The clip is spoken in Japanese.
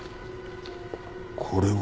これは。